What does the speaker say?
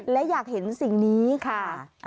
และอยากเห็นสิ่งนี้ค่ะ